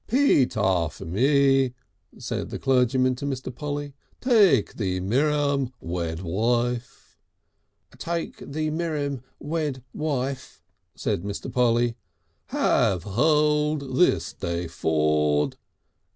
"Pete arf me," said the clergyman to Mr. Polly. "Take thee Mirum wed wife " "Take thee Mirum wed' wife," said Mr. Polly. "Have hold this day ford."